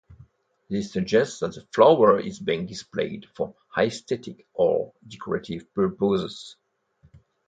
This suggests that the flower is being displayed for aesthetic or decorative purposes.